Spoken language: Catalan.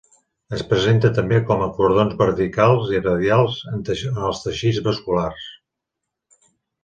Es presenta també com cordons verticals i radials en els teixits vasculars.